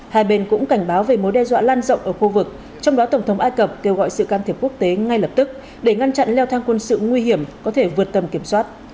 hai bên cũng cảnh báo về mối đe dọa lan rộng ở khu vực trong đó tổng thống ai cập kêu gọi sự can thiệp quốc tế ngay lập tức để ngăn chặn leo thang quân sự nguy hiểm có thể vượt tầm kiểm soát